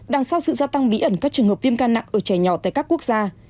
đằng sau sự gia tăng bí ẩn các trường hợp viêm ga nặng ở trẻ nhỏ tại các quốc gia